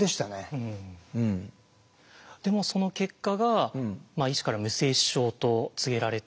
でもその結果が医師から無精子症と告げられて。